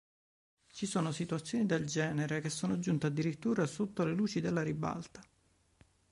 Ci sono situazioni del genere che sono giunte addirittura sotto le luci della ribalta.